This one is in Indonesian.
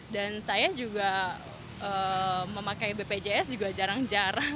dan saya juga memakai bpjs juga jarang jarang